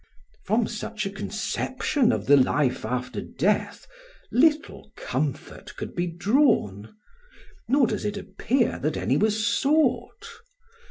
'" From such a conception of the life after death little comfort could be drawn; nor does it appear that any was sought.